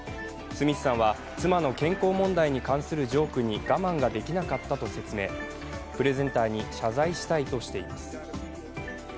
スミスさんは妻の健康問題に関するジョークに我慢ができなかったと説明、プレゼンターに謝罪したいとしています。